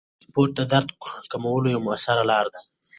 سپورت د درد کمولو یوه موثره لاره ده.